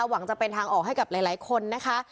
หวังจะเป็นทางออกให้กับหลายคนนะคะ